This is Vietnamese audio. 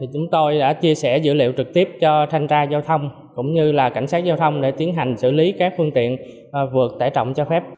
chúng tôi đã chia sẻ dữ liệu trực tiếp cho thanh tra giao thông cũng như cảnh sát giao thông để tiến hành xử lý các phương tiện vượt tải trọng cho phép